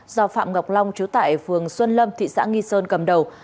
do phạm ngọc long chú tại phường xuân lâm thị xã nghi sơn cầm đầu